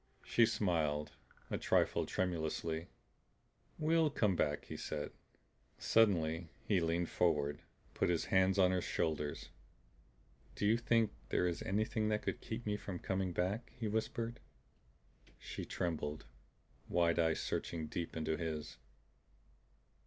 She smiled, a trifle tremulously. "We'll come back," he said. Suddenly he leaned forward, put his hands on her shoulders. "Do you think there is anything that could keep me from coming back?" he whispered. She trembled, wide eyes searching deep into his.